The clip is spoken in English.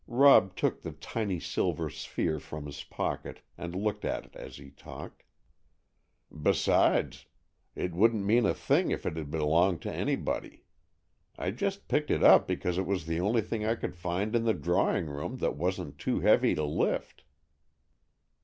Rob took the tiny silver sphere from his pocket and looked at it as he talked. "Besides, it wouldn't mean a thing if it had belonged to anybody. I just picked it up because it was the only thing I could find in the drawing room that wasn't too heavy to lift."